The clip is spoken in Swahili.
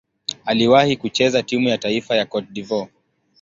Aliwahi kucheza timu ya taifa ya Cote d'Ivoire.